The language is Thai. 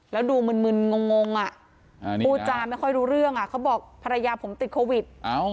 แล้วดูมึนงงพูดจาไม่ค่อยรู้เรื่องเขาบอกภรรยาผมติดโควิด